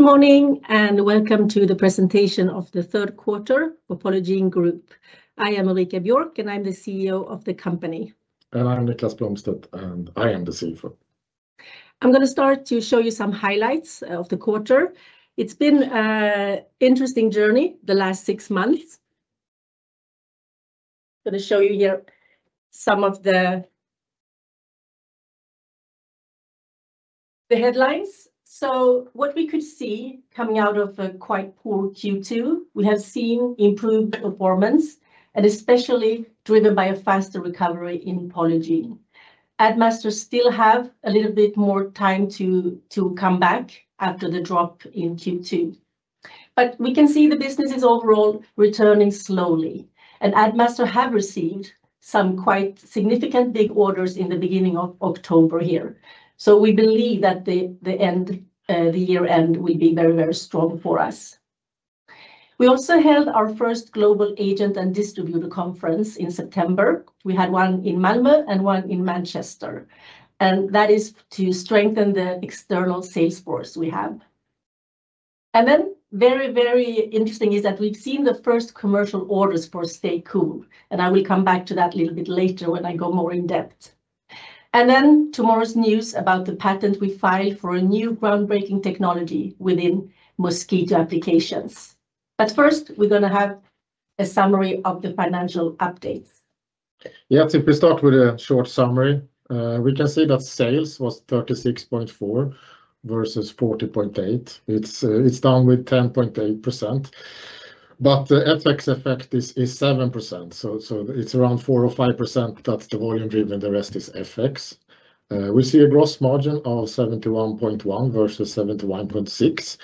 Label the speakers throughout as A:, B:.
A: Good morning and welcome to the presentation of the third quarter for Polygiene Group. I am Ulrika Björk and I'm the CEO of the company.
B: I'm Niklas Blomstedt and I am the CFO.
A: I'm going to start to show you some highlights of the quarter. It's been an interesting journey the last six months. I'm going to show you here some of the headlines. What we could see coming out of a quite poor Q2, we have seen improved performance and especially driven by a faster recovery in Polygiene. Addmaster still has a little bit more time to come back after the drop in Q2, but we can see the business is overall returning slowly. Addmaster has received some quite significant big orders in the beginning of October here. We believe that the year-end will be very, very strong for us. We also held our first global agent and distributor conference in September. We had one in Malmö and one in Manchester. That is to strengthen the external sales force we have. Very, very interesting is that we've seen the first commercial orders for StayCool. I will come back to that a little bit later when I go more in depth. Tomorrow's news about the patent we filed for a new groundbreaking technology within mosquito applications. First, we're going to have a summary of the financial updates.
B: Yeah, I think we start with a short summary. We can see that sales was 36.4 versus 40.8. It's down with 10.8%. The FX effect is 7%, so it's around 4% or 5% that's the volume driven. The rest is FX. We see a gross margin of 71.1 versus 71.6.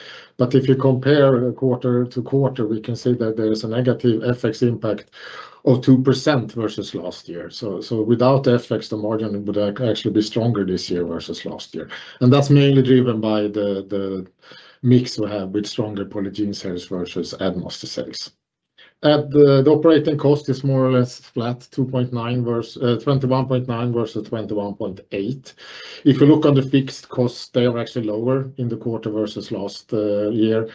B: If you compare quarter to quarter, we can see that there is a negative FX impact of 2% versus last year. Without the FX, the margin would actually be stronger this year versus last year. That's mainly driven by the mix we have with stronger Polygiene sales versus Addmaster sales. The operating cost is more or less flat, 21.9 versus 21.8. If we look on the fixed costs, they are actually lower in the quarter versus last year.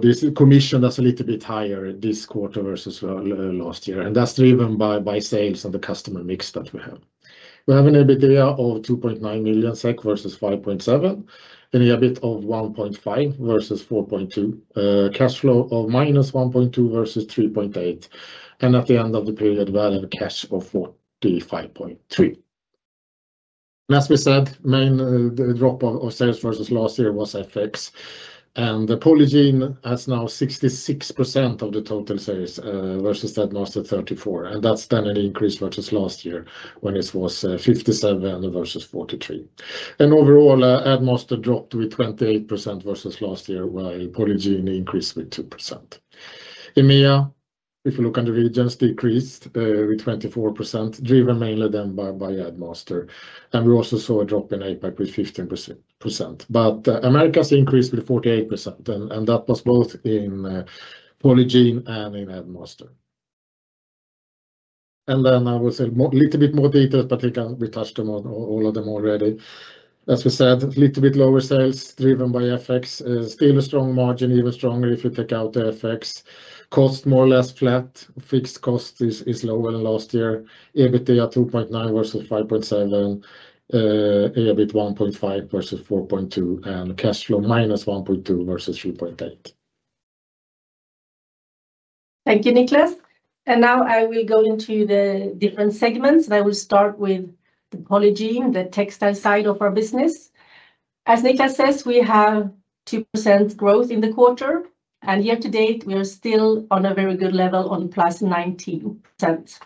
B: This commission is a little bit higher this quarter versus last year, and that's driven by sales and the customer mix that we have. We have an EBITDA of 2.9 million SEK versus 5.7. An EBITDA of 1.5 versus 4.2. Cash flow of -1.2 versus 3.8. At the end of the period, we had a cash of 45.3. As we said, the main drop of sales versus last year was FX. Polygiene has now 66% of the total sales versus Addmaster 34%, and that's then an increase versus last year when it was 57 versus 43. Overall, Addmaster dropped with 28% versus last year, while Polygiene increased with 2%. EMEA, if you look on the regions, decreased with 24%, driven mainly then by Addmaster. We also saw a drop in APAC with 15%. Americas increased with 48%, and that was both in Polygiene and in Addmaster. I will say a little bit more details, but we touched on all of them already. As we said, a little bit lower sales driven by FX. Still a strong margin, even stronger if we take out the FX. Cost more or less flat. Fixed cost is lower than last year. EBITDA 2.9 versus 5.7. EBITDA 1.5 versus 4.2. Cash flow -1.2 versus 3.8.
A: Thank you, Niklas. Now I will go into the different segments. I will start with the Polygiene, the textile side of our business. As Niklas says, we have 2% growth in the quarter. Year to date, we are still on a very good level on +19%.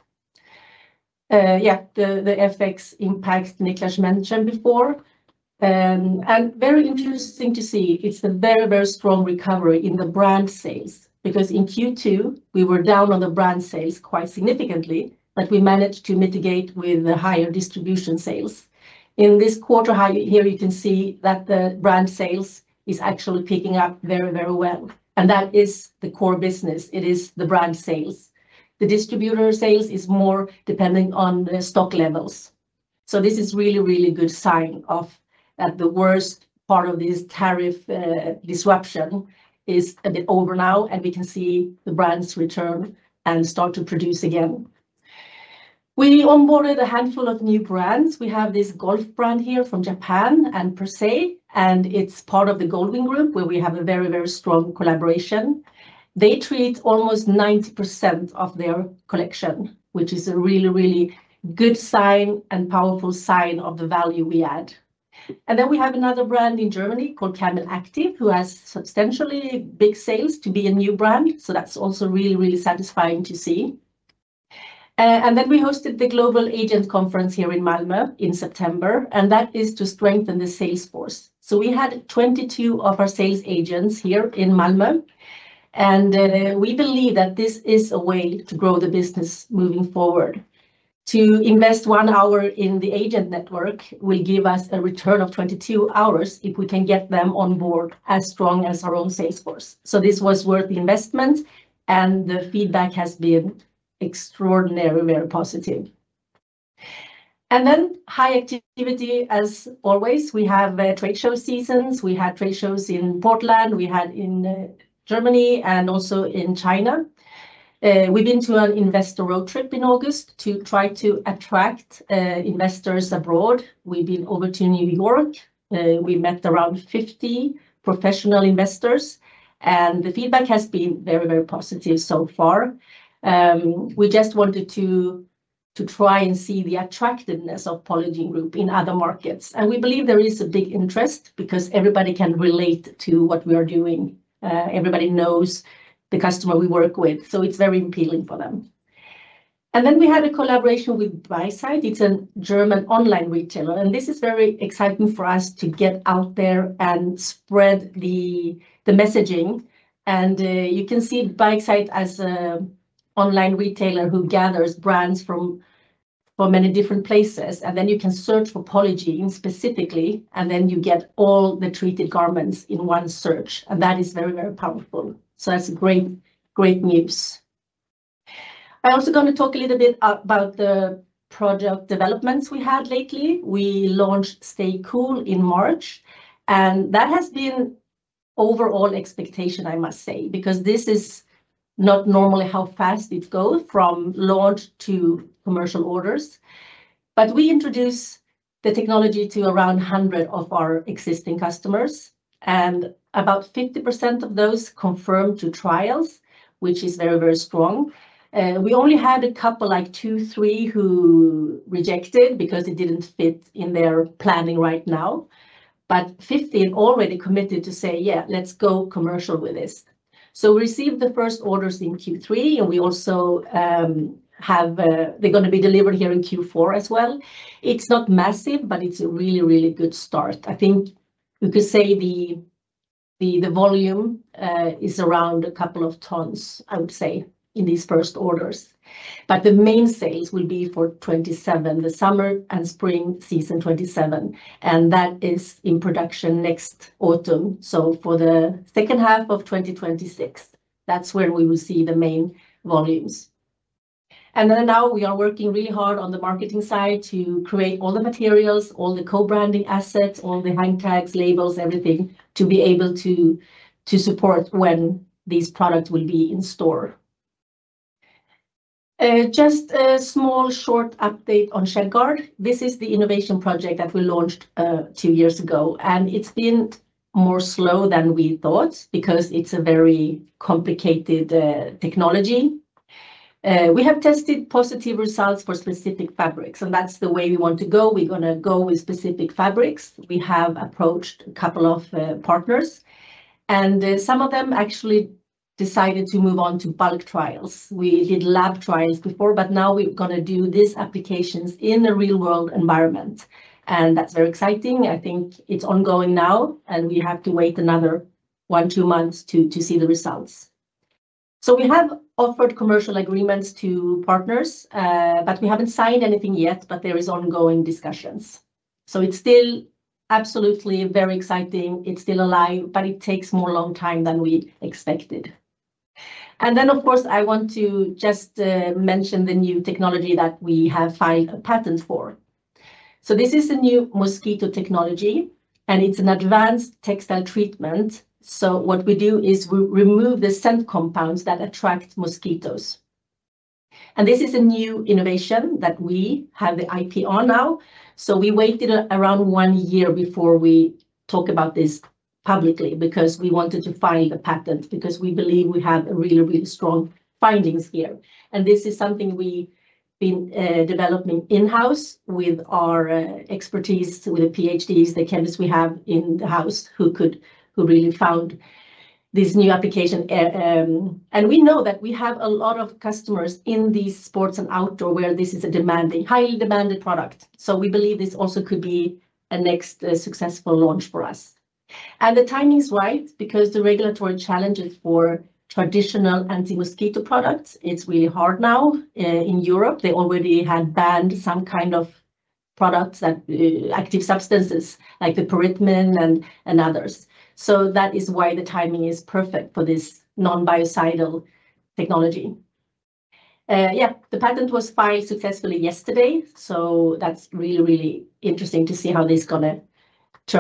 A: The FX impact, Niklas mentioned before. It is very interesting to see. It's a very, very strong recovery in the brand sales. In Q2, we were down on the brand sales quite significantly. We managed to mitigate with higher distribution sales. In this quarter, here you can see that the brand sales are actually picking up very, very well. That is the core business. It is the brand sales. The distributor sales are more dependent on the stock levels. This is a really, really good sign that the worst part of this tariff disruption is a bit over now. We can see the brands return and start to produce again. We onboarded a handful of new brands. We have this golf brand here from Japan and Percy. It's part of the Goldwin Group, where we have a very, very strong collaboration. They treat almost 90% of their collection, which is a really, really good sign and powerful sign of the value we add. We have another brand in Germany called Camel Active, who has substantially big sales to be a new brand. That's also really, really satisfying to see. We hosted the Global Agent Conference here in Malmö in September. That is to strengthen the sales force. We had 22 of our sales agents here in Malmö. We believe that this is a way to grow the business moving forward. To invest one hour in the agent network will give us a return of 22 hours if we can get them on board as strong as our own sales force. This was worth the investment. The feedback has been extraordinary, very positive. High activity, as always. We have trade show seasons. We had trade shows in Portland, in Germany, and also in China. We've been to an investor road trip in August to try to attract investors abroad. We've been over to New York. We met around 50 professional investors. The feedback has been very, very positive so far. We just wanted to try and see the attractiveness of Polygiene Group in other markets. We believe there is a big interest because everybody can relate to what we are doing. Everybody knows the customer we work with. It's very appealing for them. We had a collaboration with Bikesite. It's a German online retailer. This is very exciting for us to get out there and spread the messaging. You can see Bikesite as an online retailer who gathers brands from many different places. You can search for Polygiene specifically, and then you get all the treated garments in one search. That is very, very powerful. That's great, great news. I'm also going to talk a little bit about the project developments we had lately. We launched StayCool in March, and that has been an overall expectation, I must say, because this is not normally how fast it goes from launch to commercial orders. We introduced the technology to around 100 of our existing customers, and about 50% of those confirmed to trials, which is very, very strong. We only had a couple, like two, three, who rejected because it didn't fit in their planning right now, but 50 had already committed to say, yeah, let's go commercial with this. We received the first orders in Q3, and we also have they're going to be delivered here in Q4 as well. It's not massive, but it's a really, really good start. I think we could say the volume is around a couple of tons, I would say, in these first orders. The main sales will be for 2027, the summer and spring season 2027, and that is in production next autumn. For the second half of 2026, that's where we will see the main volumes. We are working really hard on the marketing side to create all the materials, all the co-branding assets, all the hang tags, labels, everything to be able to support when these products will be in store. Just a small short update on ShedGuard. This is the innovation project that we launched two years ago, and it's been more slow than we thought because it's a very complicated technology. We have tested positive results for specific fabrics, and that's the way we want to go. We're going to go with specific fabrics. We have approached a couple of partners, and some of them actually decided to move on to bulk trials. We did lab trials before, but now we're going to do these applications in a real-world environment, and that's very exciting. I think it's ongoing now, and we have to wait another one, two months to see the results. We have offered commercial agreements to partners, but we haven't signed anything yet. There are ongoing discussions. It's still absolutely very exciting. It's still alive, but it takes a more long time than we expected. Of course, I want to just mention the new technology that we have filed a patent for. This is a new mosquito technology. It is an advanced textile treatment. What we do is we remove the scent compounds that attract mosquitoes. This is a new innovation that we have the IPR now. We waited around one year before we talked about this publicly because we wanted to file the patent, because we believe we have really, really strong findings here. This is something we've been developing in-house with our expertise, with the PhDs, the chemists we have in-house who could really found this new application. We know that we have a lot of customers in these sports and outdoors where this is a highly demanded product. We believe this also could be a next successful launch for us. The timing is right because the regulatory challenges for traditional anti-mosquito products, it's really hard now in Europe. They already had banned some kind of products that have active substances like the pyrimidine and others. That is why the timing is perfect for this non-biocidal technology. The patent was filed successfully yesterday. It is really, really interesting to see how this is going to turn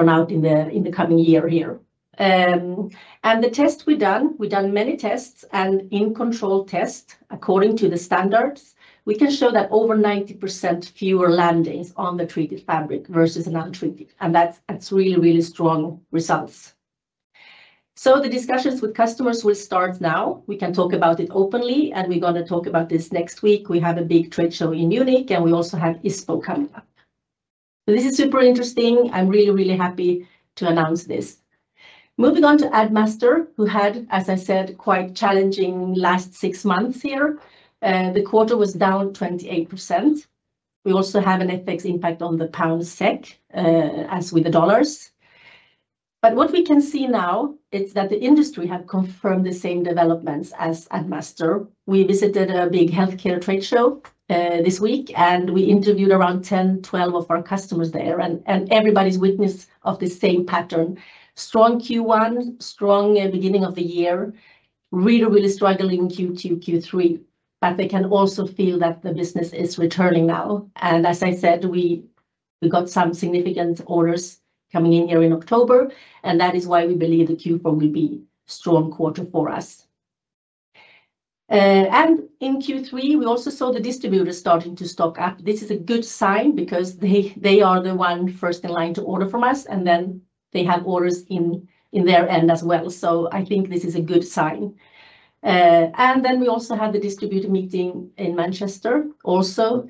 A: out in the coming year. The tests we've done, we've done many tests. In control tests, according to the standards, we can show that over 90% fewer landings on the treated fabric versus non-treated. That is really, really strong results. The discussions with customers will start now. We can talk about it openly. We are going to talk about this next week. We have a big trade show in Munich. We also have ISPO coming up. This is super interesting. I'm really, really happy to announce this. Moving on to Addmaster, who had, as I said, quite challenging last six months here. The quarter was down 28%. We also have an FX impact on the pound SEK, as with the dollars. What we can see now is that the industry has confirmed the same developments as Addmaster. We visited a big healthcare trade show this week. We interviewed around 10, 12 of our customers there. Everybody's witness of the same pattern. Strong Q1, strong beginning of the year, really, really struggling Q2, Q3. They can also feel that the business is returning now. As I said, we got some significant orders coming in here in October. That is why we believe the Q4 will be a strong quarter for us. In Q3, we also saw the distributors starting to stock up. This is a good sign because they are the ones first in line to order from us. They have orders on their end as well. I think this is a good sign. We also had the distributor meeting in Manchester,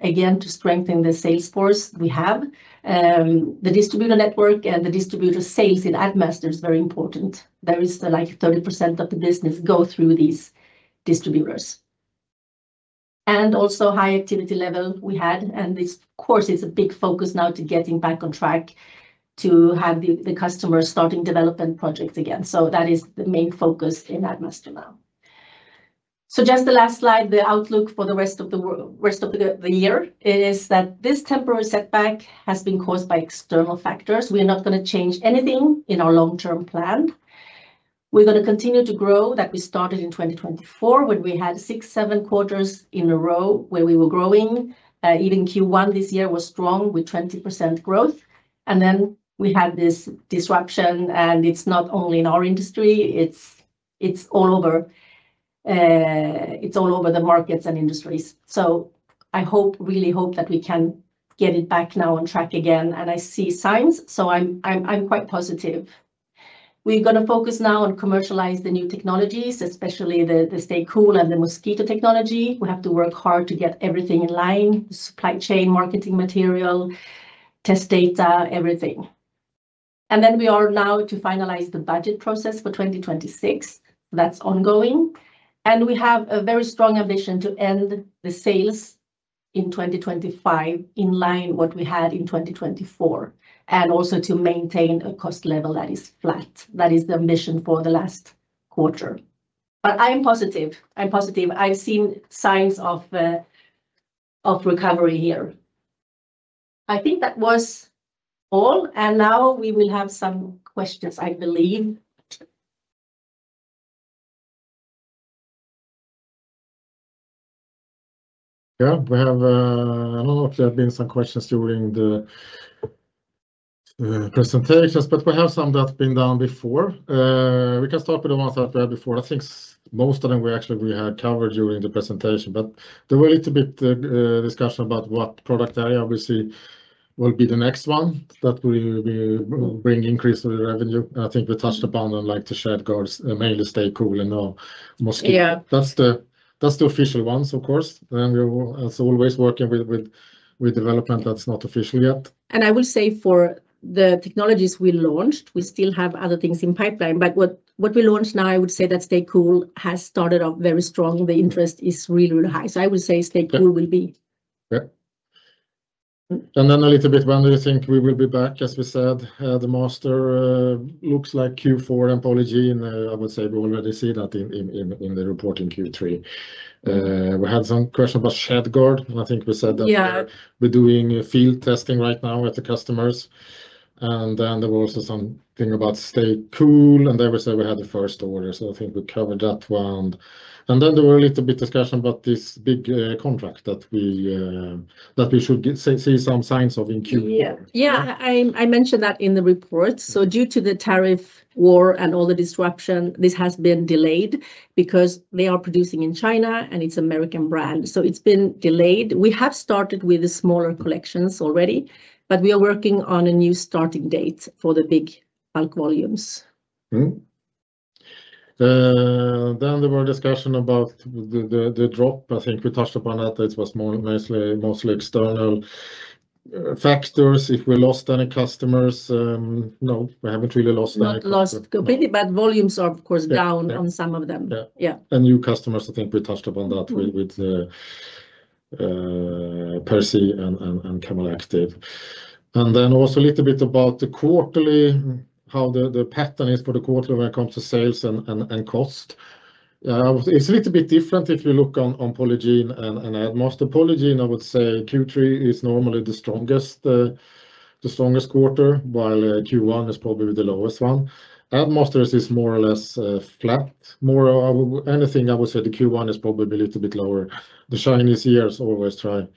A: again to strengthen the sales force we have. The distributor network and the distributor sales in Addmaster is very important. About 30% of the business goes through these distributors. There was also a high activity level. Of course, it's a big focus now to get back on track to have the customers starting development projects again. That is the main focus in Addmaster now. The last slide, the outlook for the rest of the year, is that this temporary setback has been caused by external factors. We are not going to change anything in our long-term plan. We're going to continue to grow as we started in 2024 when we had six or seven quarters in a row where we were growing. Even Q1 this year was strong with 20% growth. Then we had this disruption. It's not only in our industry; it's all over the markets and industries. I really hope that we can get it back on track again. I see signs, so I'm quite positive. We're going to focus now on commercializing the new technologies, especially the StayCool and the mosquito-repellent textile treatment. We have to work hard to get everything in line: the supply chain, marketing material, test data, everything. We are now finalizing the budget process for 2026. That's ongoing. We have a very strong ambition to end the sales in 2025 in line with what we had in 2024, and also to maintain a cost level that is flat. That is the ambition for the last quarter. I'm positive. I've seen signs of recovery here. I think that was all. Now we will have some questions, I believe.
B: Yeah, we have. I don't know if there have been some questions during the presentations, but we have some that have been done before. We can start with the ones that we had before. I think most of them we actually had covered during the presentation. There was a little bit of discussion about what product area we see will be the next one that will bring increase of the revenue. I think we touched upon like the ShedGuard, mainly StayCool and mosquito technology. That's the official ones, of course. We're also always working with development that's not official yet.
A: For the technologies we launched, we still have other things in the pipeline. What we launched now, I would say that StayCool has started off very strong. The interest is really, really high. I would say StayCool will be.
B: Yeah. A little bit, when do you think we will be back? As we said, Addmaster looks like Q4 and Polygiene. I would say we already see that in the report in Q3. We had some questions about ShedGuard. I think we said that we're doing field testing right now with the customers. There was something about StayCool. There we said we had the first order. I think we covered that one. There was a little bit of discussion about this big contract that we should see some signs of in Q4.
A: I mentioned that in the report. Due to the tariff war and all the disruption, this has been delayed because they are producing in China. It's an American brand. It's been delayed. We have started with smaller collections already, but we are working on a new starting date for the big bulk volumes.
B: There was a discussion about the drop. I think we touched upon that. It was mostly external factors. If we lost any customers, no, we haven't really lost any.
A: Lost completely. Volumes are, of course, down on some of them.
B: Yeah. New customers, I think we touched upon that with Percy and Camel Active. Also, a little bit about the quarterly, how the pattern is for the quarter when it comes to sales and cost. It's a little bit different if you look on Polygiene and Addmaster. Polygiene, I would say Q3 is normally the strongest quarter, while Q1 is probably the lowest one. Addmaster is more or less flat. More of anything, I would say the Q1 is probably a little bit lower. The Chinese years always try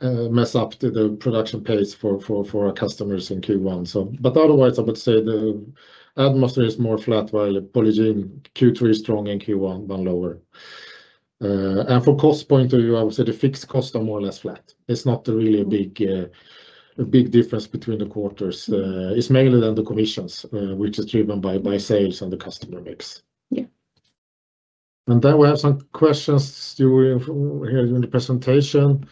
B: to mess up the production pace for our customers in Q1. Otherwise, I would say Addmaster is more flat, while Polygiene Q3 is strong and Q1 is lower. From a cost point of view, I would say the fixed costs are more or less flat. It's not really a big difference between the quarters. It's mainly the commissions, which is driven by sales and the customer mix.
A: Yeah.
B: We have some questions here during the presentation.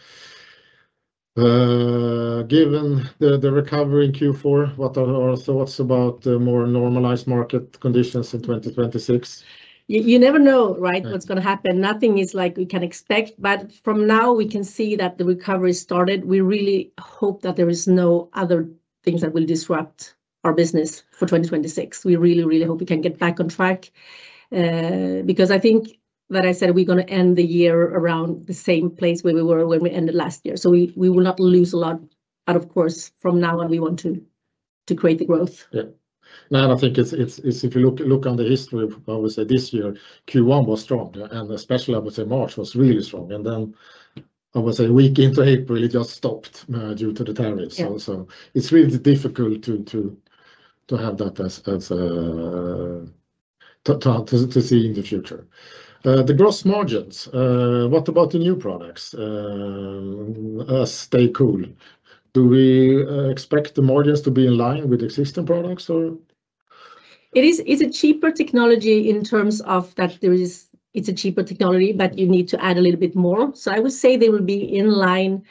B: Given the recovery in Q4, what are our thoughts about the more normalized market conditions in 2026?
A: You never know, right, what's going to happen. Nothing is like we can expect. From now, we can see that the recovery started. We really hope that there are no other things that will disrupt our business for 2026. We really, really hope we can get back on track. I think, like I said, we're going to end the year around the same place where we were when we ended last year. We will not lose a lot. Of course, from now on, we want to create the growth.
B: I think if you look on the history, I would say this year, Q1 was strong. Especially, I would say March was really strong. I would say a week into April, it just stopped due to the tariffs. It's really difficult to have that to see in the future. The gross margins, what about the new products? StayCool, do we expect the margins to be in line with existing products?
A: It's a cheaper technology in terms of that. It's a cheaper technology, but you need to add a little bit more. I would say they will be in line,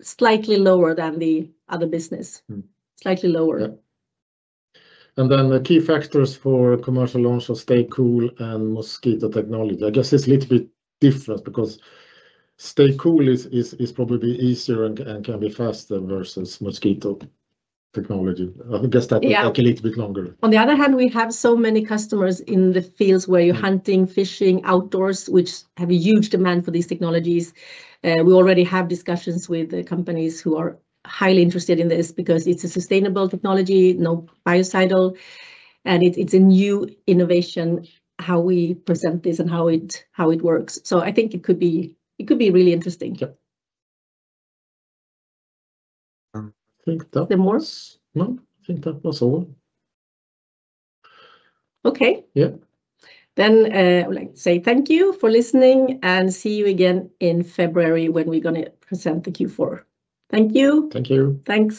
A: slightly lower than the other business. Slightly lower.
B: The key factors for commercial launch of StayCool and mosquito technology, I guess it's a little bit different because StayCool is probably easier and can be faster versus mosquito-repellent textile treatment. I guess that will take a little bit longer.
A: On the other hand, we have so many customers in the fields where you're hunting, fishing, outdoors, which have a huge demand for these technologies. We already have discussions with the companies who are highly interested in this because it's a sustainable technology, no biocidal. It's a new innovation, how we present this and how it works. I think it could be really interesting.
B: Yeah. I think that was all.
A: OK. Yeah, I'd like to say thank you for listening and see you again in February when we're going to present the Q4. Thank you.
B: Thank you.
A: Thanks.